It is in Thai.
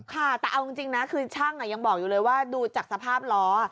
ค่ะแต่เอาจริงนะคือช่างยังบอกอยู่เลยว่าดูจากสภาพล้อ